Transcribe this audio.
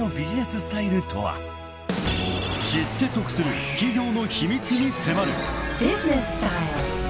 ［知って得する企業の秘密に迫る］